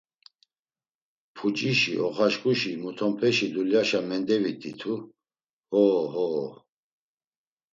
Pucişi, oxaşǩuşi, mutonpeşi… Dulyaşa mendevit̆itu… Ho, ho!